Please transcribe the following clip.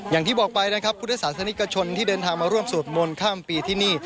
อย่างที่บอกไปนะครับพุทธศาสนิกชนที่เดินทางมาร่วมสวดมนต์ข้ามปีที่นี่